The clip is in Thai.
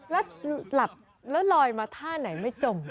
ลาบแล้วลอยมาท่าไหนไม่จมด้วย